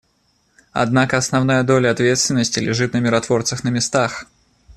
Однако основная доля ответственности лежит на миротворцах на местах.